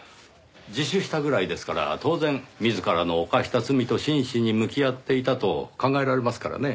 自首したぐらいですから当然自らの犯した罪と真摯に向き合っていたと考えられますからね。